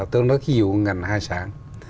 tôi nói ví dụ ngành hải sản